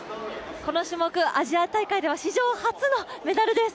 この種目、アジア大会では史上初のメダルです。